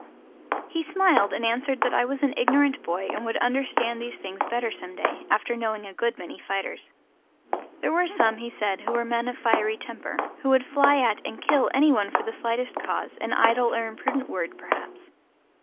He smiled and answered that I was an ignorant boy and would understand these things better some day, after knowing a good many fighters. There were some, he said, who were men of fiery temper, who would fly at and kill any one for the slightest cause an idle or imprudent word perhaps.